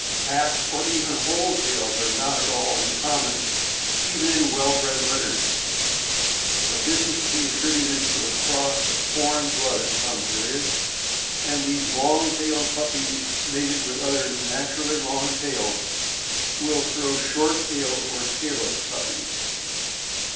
Half, or even whole tails are not at all uncommon, even in well bred litters, but this is to be attributed to a cross of foreign blood at some period; and these long tailed puppies, mated with others naturally long tailed, will throw short tailed or tailless puppies.